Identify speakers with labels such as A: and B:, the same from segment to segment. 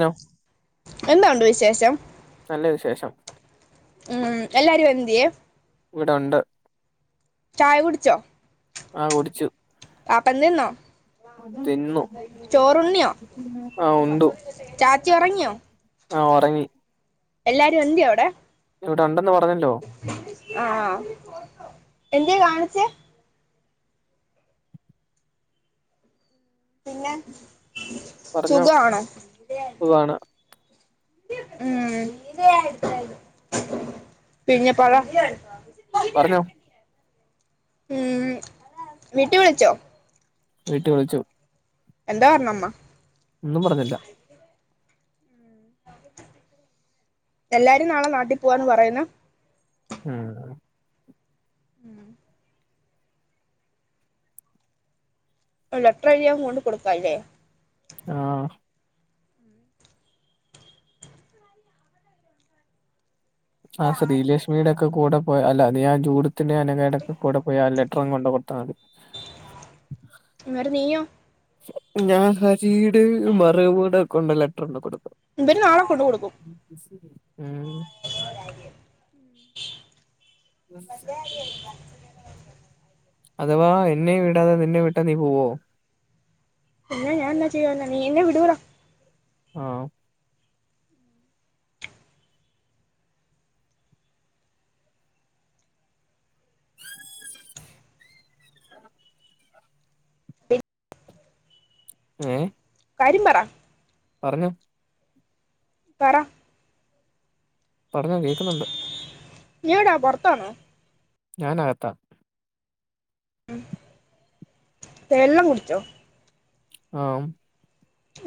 A: No
B: എന്താണ്ട് വി ശേഷം
A: നല്ല വിശേഷം
B: ഉം എല്ലാരും എന്തിയേ
A: ഇവിടെ ഉണ്ട്
B: ചായ കുടിച്ചോ
A: ആ കുടിച്ചു
B: പാപ്പം തിന്നോ
A: തിന്നു
B: ചോറുണ്ണിയോ
A: ആഹ് ഉണ്ടു
B: ചാച്ചി ഉറങ്ങിയോ
A: ആ ഉറങ്ങി
B: എല്ലാരും എന്ത്യയവിടെ
A: ഇവിടെ ഒണ്ടെന്ന് പ ന്നല്ലോ
B: ആ ഹ എന്ത്യയേകാണിച്ചെ പിന്നെ
A: പറഞ്ഞോ
B: സുഖമാണോ
A: സുഖാണ്
B: ഉം പിഞ്ഞെ പറ
A: പറഞ്ഞോ
B: ഉം വീട്ടി വിളിച്ചോ
A: വീട്ടി വിളിച്ചു
B: എന്താ പറഞ്ഞമ്മാ
A: ഒന്നും പറഞ്ഞില്ല
B: എല്ലാരും നാളെ നാട്ടിൽ പോവാന്ന് പറയുന്ന
A: ആ ആ
B: ഉം ഒരു ലെറ്റർ എഴുതി അങ്ങ് കൊണ്ട് കൊടുക്കാല്ലേ
A: ആഹ് ആ ശ്രീലക്ഷ്മിയുടെ ഒക്കെ കൂടെ പൊ എ അല്ലാ നീയാ ജൂഡത്തിന്റെ [unintelligible] ലെറ്ററങ് കൊണ്ട് കൊടുത്താതി
B: ങ്ങര് നീയൊ
A: ഞാൻ ഹരി ടെ മർവാടെ കൊണ്ട് ലെറ്റർ കൊണ്ട് കൊടുക്കും
B: ഇവന് നാളെ കൊണ്ട് കൊടുക്കും
A: ഉം
B: [inaudible] ഉ
A: [unintelligible] അഥവാ എന്നെ വിടാതെ നിന്നെ വിട്ടാ നീ പോവോ
B: പിന്നെ ഞാൻന്താ ചെയ്യന്നാ നീ എന്നെ വിടൂടാ
A: ആ ഏ
B: കര്യം പറ
A: പറഞ്ഞോ
B: പറ
A: പറഞ്ഞോകേൾക്കുന്നുണ്ട്
B: നീഎവിടെയാ പെർത്താണോ
A: ഞാനാകത്താ
B: തെല്ലം കുടിച്ചോ
A: ആ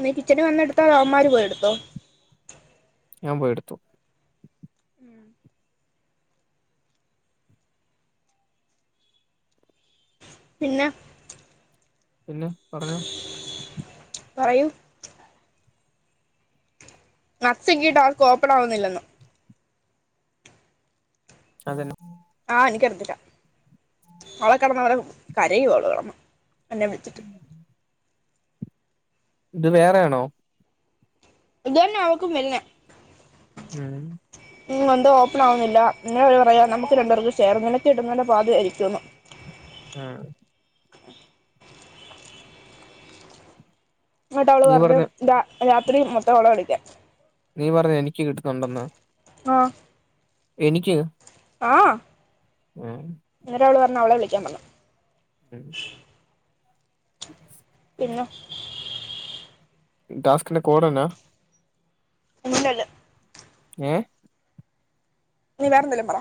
B: നീ കിച്ചന് വന്നെടുത്തോ അവമാര് പോയ എടുത്തോ
A: ഞാൻ പോയ എടുത്തു
B: ഉം പിന്നെ
A: പിന്നെ പറഞ്ഞോ
B: പറയൂ [unintelligible] അവർക്ക് ഓപ്പൺ ആവുന്നില്ലന്ന്
A: അതന്നാ
B: ആ നിക്ക ടുത്തിട്ടാ അവളെ കിടന്നാ കരകരയും അവൾ കിടന്ന് എന്നെ വിളിച്ചിട്ട്
A: [inaudible] ഇത് വേറെ ണോ
B: ഇത് തന്നെ അവക്കും പിന്നെ
A: ഉം
B: ഉ വന്തോ ഓപ്പൺ ആവുന്നില്ല ഇങ്ങനെ പറയാം നമുക്ക് രണ്ടുപേർക്ക് ചെയേർ നിനക്ക് കിട്ടുന്ന് പാതി ആരിക്കുമന്നു
A: ആഹ
B: ആ എന്നിട്ട് അവള്
A: നീ
B: പറഞ്ഞു
A: പറഞ്ഞ
B: ഇാ രാത്രി മൊത്തം അവളെ വിളിക്കാം
A: നീ പറഞ്ഞ എനിക്ക് കിട്ടുന്നുണ്ടെന്നു
B: ആഹ
A: എനിക്ക്
B: ആഹ
A: ഉം
B: ഇങ്ങ അവള് പറഞ്ഞ അവളെ വിള കമല [unintelligible]
A: ഉം [unintelligible]
B: പിന്ന
A: ഡാസ്ക്ന്റെ കോടന്നാ
B: ഇന്നില്ലല്ലോ
A: ഏ
B: നീ വേറെ എന്തേലും പറ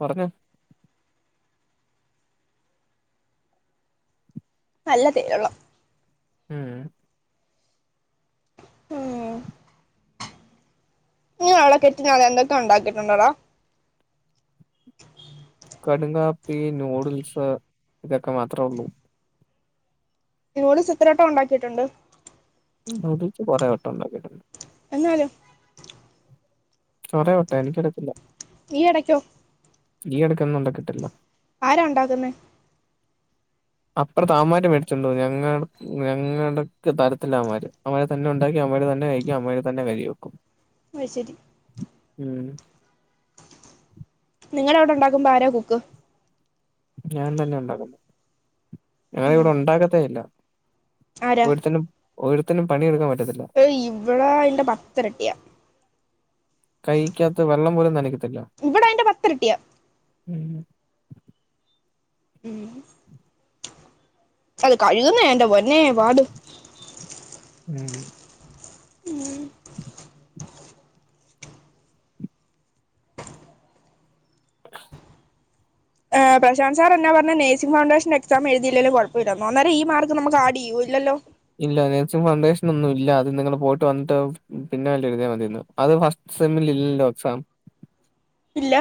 A: പറഞ്ഞ പറഞ്ഞു പറഞ്ഞു
B: നല്ലതരുള്ളാം
A: ഉം
B: ഇ അവിടെ കെറ്റി അത എന്തൊക്കെ ഉണ്ടാക്കിട്ടുണ്ടോടാ
A: കടങ്കാപ്പി നൂഡിൽസ് ഇതൊക്കെ മാത്രേ ഉള്ളു
B: ഇോല ചിത്രനോട്ടം ഉണ്ടാക്കിട്ടുണ്ട്
A: എന്താന്നുവെച്ചാൽ പറ [unintelligible]
B: എന്നാലോ
A: പറ കേട്ടെ എനിക്കിടുത്തില്ല
B: നീ എടയ്ക്കോ
A: ഈയിടയ്ക്ക് ഒന്നും പറ്റത്തില്ല
B: ആരാ ഉണ്ടാക്കുന്ന
A: അപ്പുറത്തെ അമാര് മേടിചൊണ്ടും ഞങ്ങ ഞങ്ങക്ക് തരത്തില അമാര് അമ്മര് തന്നെ ഉണ്ടാക്കി അമ്മര് തന്നെ കഴിക്കും അമ്മര് തന്നെ കരി വെക്കും
B: അ ശരി
A: ഉം
B: നിങ്ങളെവിടെ ഉണ്ടാക്കും പാര കുക്ക്
A: ഞാൻ തന്നെ ഉണ്ടാക്കുന്നു ഞങ്ങള
B: ഉം.
A: ഇവിടെ ഉണ്ടാകത ഇല്ല ഒരുത്തനും [unintelligible] പണെടുക്കൻതി
B: ഏ ഇവടെ അതിന്റെ പത്തരട്ടിയാ
A: കയിക്കാത്ത വെള്ളം പോലും നനക്കതി
B: ഇവിട അയിന്റെ പത്തിരട്ടിയാ
A: ഉം
B: ഉം അത് കഴുകുന്നേ എൻ്റെ പൊന്നേ പാടു
A: ഉം
B: ഉ ഏ പ്രാശാസർ എന്ന പറഞ്ഞ നഴ്സിംഗ് ഫൗണ്ടേഷൻ എക്സാം എഴതില്ലോലും കുഴപ്പമില്ലന്നോ അന്നേര ഈ മാർക്ക് നമുക്ക് ആഡ് ചെയ്യൂ ഇല്ലോ
A: ഇല്ല നഴസിംഗ് ഫൗണ്ടേഷന ഒന്നും ഇല്ല അത് നിങ്ങൾ പോയിട്ട് വന്നിട്ട് പിന്നെ അല്ല എഴതാൽ മതിരുന്നു അത് ഫസ്റ്റ് സെമ ഇല്ലല്ലോ എക്സാം
B: ഇല്ല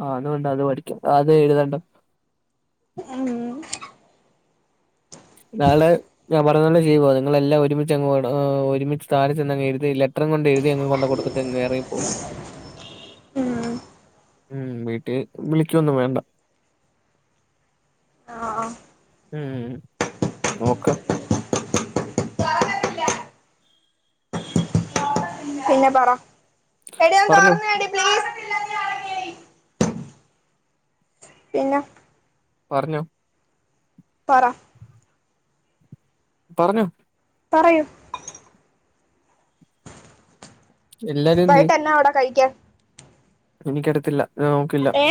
A: ആ അതുകണ്ട അത് പഠിക്കാം അത് എഴുതണ്ട
B: ഉം.
A: നാള് ഞാൻ പറഞ്ഞോളെ ചെയ്യോ നിങ്ങളെല്ലാം ഒരുമിച്ച്ങ്ങ് ഒരുമിച്ച് താഴ ചെന്നങ് എഴുതി ലെറ്ററും കൊണ്ട് എഴുതി എങ്ങ് കൊണ്ട കൊടുത്തിട്ട് എങ്റങ്ങപ്പോ
B: ഉം.
A: ഉ വീട്ടിൽ വിളിക്കൊന്നും വേണ്ട
B: ആ.
A: ഉം നോക്ക്
B: പിന്നെ പറ എടന്ന്
A: പറഞ്ഞോ
B: തോർന്ന അടി പ്ലീസ് പിന്നെ
A: പറഞ്ഞു
B: പറ
A: പാറഗോ
B: പറയൂ
A: എല്ലാരും
B: വൈട്ട് എന്നാ അവിടെ കഴിക്കാൻ
A: എനിക്കിടുത്തില്ല നോക്കില്ല
B: ഏ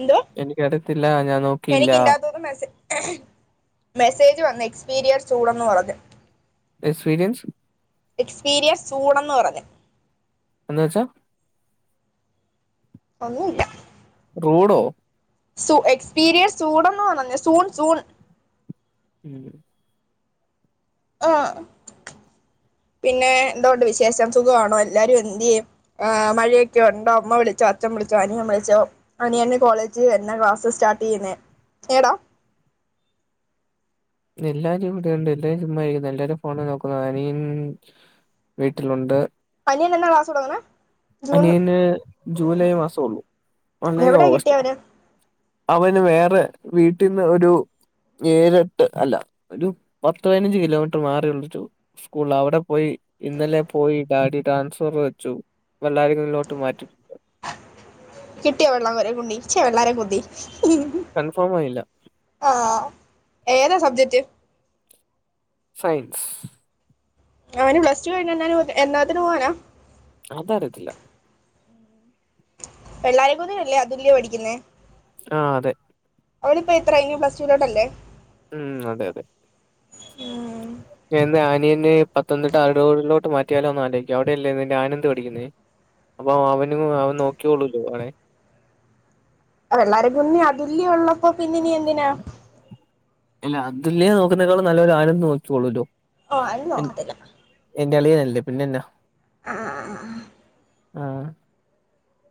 B: എന്തോ
A: എനിക്കട ഒത്തില്ല ഞാൻ നോക്കിയില്ല
B: എനിക്ക് ഇതിന്റകത്തൂന്ന് മെസ്സേ മെസ്സേജ് വന്ന് എക്സ്പീരിയൻസ് ചൂടെന്നു പറഞ്ഞു
A: എക്സ്പീരിയൻസ്
B: എക്സ്പീരിയൻസ് ചൂടന്ന് പറഞ്ഞു
A: എന്ന് വച്ചാ
B: ഒന്നുമില്ല
A: റോഡോ
B: സൂ എക്സ്പീരിയൻസ് ചൂടന്നന്ന സൂൺ സൂൺ
A: ഉം
B: ആ പിന്നെ എന്തണ്ട് വിശേഷം സുഖമാണോ എല്ലാരും എന്ത് ചെയ്യുന്നു മഴയൊക്കെ ഉണ്ടോ അമ്മ വിളിച്ചോ അച്ഛൻ വിളിച്ചോ അനിയൻ വിളിച്ചോ അനിയെ കോളേജ് തന്നെ ക്ലാസ്സ് സ്റ്റാർട്ട് ചെയ്യുന്നേ എടാ
A: എല്ലാരും ഇവിടെ ഉണ്ട് എല്ലാവരും ച ഫോണ് നോക്കുന്നു അനിയൻ വീട്ടിലുണ്ട്
B: അനിയൻ എന്നാ കാാസോടങ്ങനെ
A: അനിയന് ജൂലൈ മാസം ഉള്ളൂ അല്ലെിൽ
B: എവിടെയാ
A: ഓഗസ്റ്റ്
B: കിട്ടിയേ അവന്
A: അവന് വേറെ വീട്ടിൽന്ന് ഒരു നേരിട്ട് അല്ല ഒരു പത്ത് പതിനഞ്ച് കിലോമീറ്റർ മാറി ഉള്ളിച്ചു സ്കൂൾ അവിടെ പോയി ഇന്നലെ പോയി ഡാഡി ട്രാൻസ്ഫർ വെച്ചു വല്ലാരിക്കുന്നിലോട്ട് മാറ്റിട്ടുണ്ട്
B: കിട്ടിയ വെള്ളം കുരെ കുണ്ടച്ചേ വള്ളാര പൊതി
A: കൺഫേം ആയില്ല
B: ആഹ ഏതാ സബ്ജക്റ്റ്
A: സയൻസ്
B: അവന് പ്ലസ് ടു കഴിഞ്ഞ എന്നാത്തിന് പോകാനാ
A: അത് അറിയത്തില്ല
B: വെള്ളാര കൂന്നര അതുല്യ പഠിക്കുന്നേ
A: ആഹ അതെ
B: അവളിപ്പോൾ എത്ര ഇ പ്ലസ് ടു ഇലോട്ട്ല്ലേ
A: ഉം അതെ അതെ
B: ഉം
A: എന്താ ഇനി പത്തനംതിട്ട അരടൂറിലോട്ട് മാറ്റിയാലോ ഒന്നാലേിക്കും അവിടെയല്ലേ നിന്റെ ആനന്ദ പടിക്കുന്നു അപ്പൊ അവന അവൻ നോക്കിയള്ളല്ലോ അവനെ
B: വള്ളരെ കുന്നി അതി ഉള്ളപ്പോൊ പിന്നിന എന്തിനാ
A: അല്ല അതുല്യ നോക്കുന്നതിനേക്കാൾ നല്ലരു ആനന്ദ് നോക്കോളൂല്ലോ
B: ഓ അ നക്കത്തില
A: എന്റെ അളിയാനല്ലേ പിന്നെന്നാ
B: ആ
A: ആഹ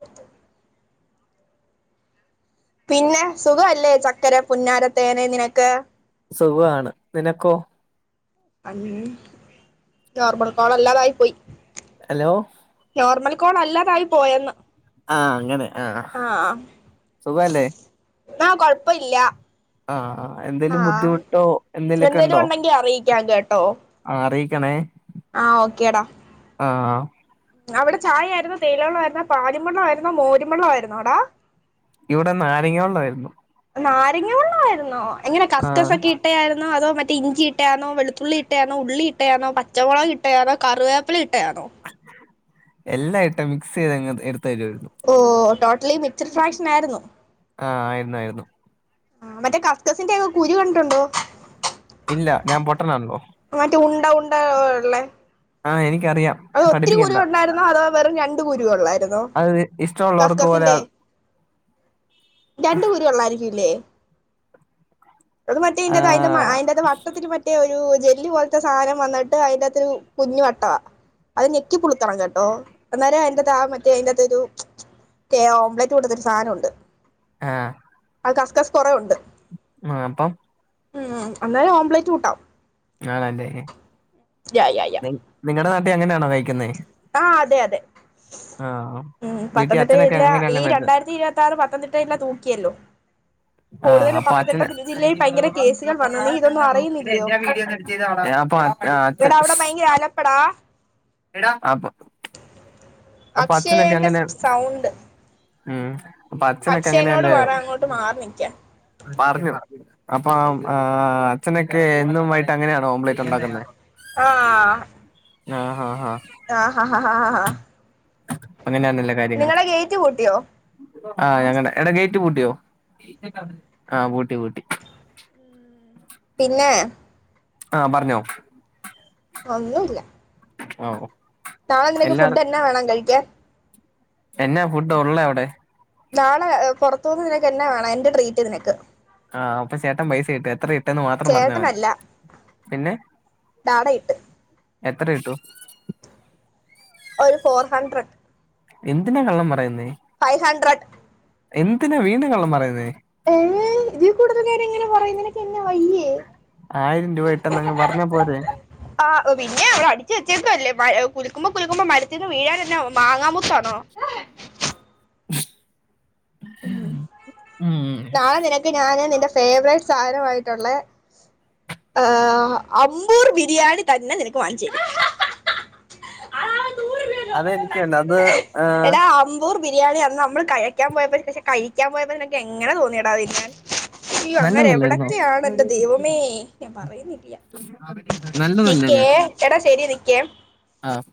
B: അ പിന്നെ സുഖ അല്ലേ ചക്കര പുന്നാരത്തേനെ നിനക്ക്
A: സുഖാണ് നിനക്കോ
B: ഉം നോർമൽ കോള അല്ലാതായി പോയി
A: ഹലോ
B: നോർമൽ കോൾ അല്ലാതായി പോയെന്ന്
A: ആഹ അങ്ങനെ ആഹ സുഖല്ലേ
B: ആഹ് കൊഴപ്പല്ല
A: ആഹ് ആ എന്തേലും ബുദ്ധിമുട്ടോ എന്തേലുക്കെ
B: എന്തേലും
A: ഉണ്ടോ
B: ഉണ്ടെങ്കി അറിയിക്കാം കേട്ടോ
A: ആറി ക്കണേ
B: ആഹ് ഓക്കേടാ അവിടെ ചായ ആയിരുന്നു തേയിലവെള്ള ആരുന്നോ പാലിമള്ള ആരുന്നോ മോരിമള്ള ആയിരുന്നോ അടാ
A: ഇവടെ നാരങ്ങ വെള്ളമായിരുന്നു.
B: നാരങ്ങ വെള്ളായിരുന്നോ? എങ്ങനെ
A: ആ
B: കസ്കസൊക്കെ ഇട്ട ആയിര് അതോ മറ്റേ ഇഞ്ചിട്ടാന്നോ വെളുത്തുള്ളി ഇട്ടാന്നോ ഉള്ളി ഇട്ടാന്നോ പച്ചമൊളക് ഇട്ടാന്നോ കറിവേപ്പില ഇ
A: എല്ലായിട്ടും മിക്സെയ്തങ്ങ് എടു
B: ഓ ടോ ട്ട്ലി മിക്സർ ഫ്രാക്ഷൻ ആയിര്ന്നു.
A: ആഹ്. ആയിരുന്നായിരുന്നു.
B: ആ മറ്റേ കസ്കസിന്റെക്കെ കുരു കണ്ട്ട്ടുണ്ടോ?
A: ഇല്ല ഞാൻ പൊട്ടനാണല്ലോ
B: മറ്റേ ഉണ്ട ഉണ്ട ഉള്ളേ.
A: ആഹ് എനി
B: അതൊത്തിരി കുരു ഉണ്ടായിരുന്നോ അതോ വെറും രണ്ട് കുരു ഉള്ളായിരുന്നോ?
A: അത് ഇഷ്ടമുള്ളവർക്ക് പോലെ
B: കസ്കസിന്റെ രണ്ട് കുരു ഉള്ളായിരിക്കുല്ലേ? അത് മറ്റേ ഇയ്ന്റാത്ത് അയ്ന്റെ
A: ആഹ്
B: അയ്ന്റെ വട്ടത്തില് മറ്റേ ഒരു ജെല്ലി പോൽത്തെ സാനം വന്നിട്ട് അയ്ന്റെത്തൊരു കുഞ്ഞു വട്ടാ. അത് ഞെക്കി പുളിക്കണം കേട്ടോ അന്നേരം അയ്ന്റെ ത്ത് ആ മറ്റേ അയ്ന്റെത്തൊരു ഓംലറ്റ് കൂട്ടത്തരു സാനവുണ്ട്.
A: ആഹ്.
B: ആ കസ്കസ് കൊറേ ഉണ്ട്.
A: ആഹ് അപ്പം
B: ഉം അന്നേരം ഓംലെറ്റ് കൂട്ടാം.
A: ആണല്ലേ.
B: യാ യാ യാ
A: നിങ്ങളടെ നാ- അങ്ങനെയണോ കഴിക്കുന്നേ
B: ആ അതെ അതെ
A: ആഹ്
B: ഉം
A: വീട്ടിൽ
B: പത്തനംതിട്ട
A: അച്ഛനൊക്കെ
B: ജില്ലാ ഈ
A: അങ്ങനെയല്ലേ മേടിച്ചത്
B: രണ്ടായിരത്തി ഇരുപത്തി ആറ് പത്തനംതിട്ട ജില്ല തൂക്കിയല്ലോ
A: ആഹ
B: കൂടുതലും
A: അപ്പൊ
B: പത്തനംതിട്ട
A: അച്ഛന്
B: ജില്ലയിൽ ഭയങ്കര കേസുകൾ വന്നു നീ ഇതൊന്നും അറിയുന്നില്ലയോ
A: അപ്പൊ അച്ഛൻ
B: എടാ അവിടെ ഭയങ്കര അലപ്പടാ
A: എടാ ആപ്പ്
B: അക്ഷയെന്റെ സൗണ്ട്
A: ആഹ്
B: അക്ഷേനോട് പറ അങ്ങോട്ട് മാറി നിൽക്കാൻ
A: അപ്പം ആ അച്ഛനൊക്കെ എന്നുംമായിട്ട് അങ്ങനെ- ഓംലൈറ്റ് ഉണ്ടാക്കുന്നേ
B: ആഹ്
A: ആഹ് ആഹഹ് ആഹ്
B: ആഹ് ഹ ഹ ഹ
A: അങ്ങനെയാണല്ലേ കാര്യങ്ങൾ
B: നിങ്ങളെ ഗേയ്റ്റ് കൂട്ടിയോ
A: ആഹ് ഞങ്ങടെ എടാ ഗേറ്റ് പൂട്ടിയോ ആഹ് പൂട്ടി പൂട്ടി
B: പിന്നെ
A: ആഹ് പറഞ്ഞോ
B: ഒന്നുല്ല
A: ഓ
B: നാളെ നിനക്ക് ഫുഡ് എന്നാ വേണം കഴിക്കാൻ
A: എന്നാ ഫുഡ് ഉള്ളേ അവിടെ
B: നാളെ പുറത്തൂന്ന് നിനക്കെന്നാ വേണം എന്റെ ട്രീറ്റ് നിനക്ക്
A: ആഹ് അപ്പ ചേട്ടൻ പൈസിട്ട് എത്ര ഇ
B: ചേട്ടനല്ല നാടയിട്ട്
A: എത്ര ഇടും
B: ഒരു ഫോർ ഹഡ്രഡ്
A: എന്തിനാ കള്ളം പറയുന്നേ
B: ഫൈവ് ഹഡ്രഡ്
A: എന്തിനാ വീണ്ടും കള്ളം പറയുന്നേ
B: ഏ ഇതി കൂടുതൽ ഞാനെങ്ങെനെ പറയും നീനക്കെന്നാ വയ്യേ
A: ആയിരം രൂപ ഇട്ടെന്നങ്ങ് പറഞ്ഞാ പോരെ
B: ആ പിന്നെ അവടെ അടിച്ചു വെച്ചേക്ക അല്ലേ കുല്ക്കുമ്പോ കുല്ക്കുമ്പോ മരത്തിന്ന് വീഴൻന്നെ മാങ്ങാ മുത്താണോ
A: [inaudible]
B: ഉം
A: ഉം
B: നാളെ നിനക്ക് ഞാാന് നിന്റെ ഫേവററ്റ് സ് സാരമായിട്ടുള്ള ഏഹ് അമ്പൂർ ബിരിയാണി തന്നെ നിനക്ക് വാങ്ങിച്ചും ആഹ്
A: അത്. എനിക്കണ്ട അത് ഏ
B: എടാ അമ്പൂർ ബിരിയാണി അന്ന് നമ്മള് കഴിക്കാൻ പോയ ക്ഷെ കഴിക്കാൻ പോയപ്പോ പക്ഷെ നിനക്ക് എങ്ങനെ തോന്നിയിടാ തിന്നാൽ അയ്യോ അങ്ങനെ
A: നല്ലതല്ലായിരുന്നോ
B: എവിടൊക്കെയാണെൻ്റെ ദൈവമേ ഞാൻ പറയുന്നില്ല
A: നല്ലതല്ലേ അത്
B: ചിക്കേ എടാ ശരി നിക്കേ
A: ആഹ്